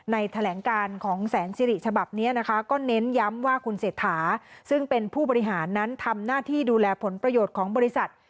แถลงการของแสนสิริฉบับนี้นะคะก็เน้นย้ำว่าคุณเศรษฐาซึ่งเป็นผู้บริหารนั้นทำหน้าที่ดูแลผลประโยชน์ของบริษัท